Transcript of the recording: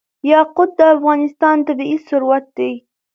یاقوت د افغانستان طبعي ثروت دی.